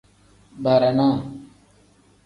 Barana.